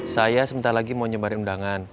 saya sebentar lagi mau nyebarin undangan